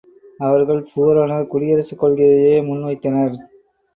அவர்கள் பூரண குடியரசுக் கொள்கையையே முன்வைத்தனர்.